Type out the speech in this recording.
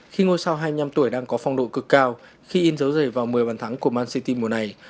khi ngôi sao hai mươi năm tuổi đang có phong độ cực cao khi in dấu dày vào một mươi bàn thắng của man city mùa này